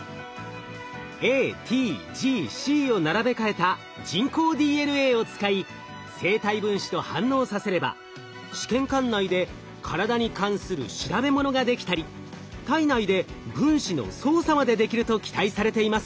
ＡＴＧＣを並べ替えた人工ＤＮＡを使い生体分子と反応させれば試験管内で体に関する調べ物ができたり体内で分子の操作までできると期待されています。